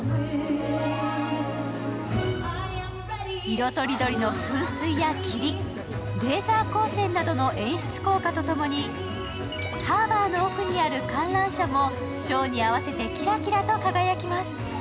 色とりどりの噴水や霧、レーザー光線などの演出効果とともに、ハーバーの奥にある観覧車もショーに合わせてキラキラと輝きます。